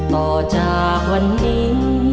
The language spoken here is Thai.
ต่อจากวันนี้